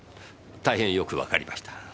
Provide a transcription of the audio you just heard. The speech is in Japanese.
大変よくわかりました。